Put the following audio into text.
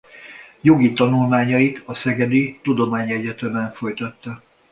Jogi tanulmányait a Szegedi Tudományegyetemen folytatta.